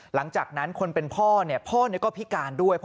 หลังจากนั้นคนเป็นพ่อพ่อก็พิการด้วย